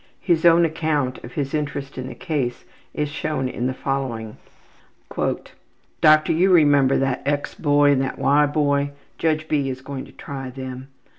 His own account of his interest in the case is shown in the following: ``Doctor, you remember that X. boy and that Y. boy. Judge B. is going to try them.